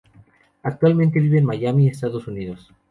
Actualmente vive en Miami, Estados Unidos.